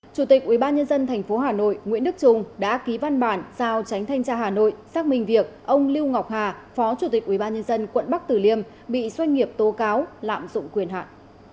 chủ tịch ubnd tp hà nội nguyễn đức trung đã ký văn bản giao tránh thanh tra hà nội xác minh việc ông lưu ngọc hà phó chủ tịch ubnd quận bắc tử liêm bị doanh nghiệp tố cáo lạm dụng quyền hạn